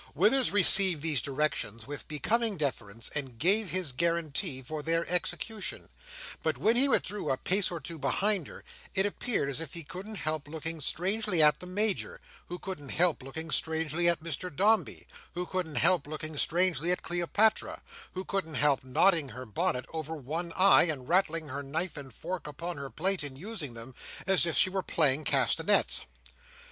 Withers received these directions with becoming deference, and gave his guarantee for their execution; but when he withdrew a pace or two behind her, it appeared as if he couldn't help looking strangely at the Major, who couldn't help looking strangely at Mr Dombey, who couldn't help looking strangely at Cleopatra, who couldn't help nodding her bonnet over one eye, and rattling her knife and fork upon her plate in using them, as if she were playing castanets.